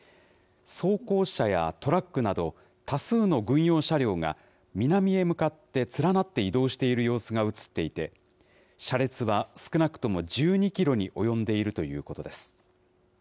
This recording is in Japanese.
装甲車やトラックなど、多数の軍用車両が南へ向かって連なって移動している様子が写っていて、車列は少なくとも１２キロに及んでいるということです。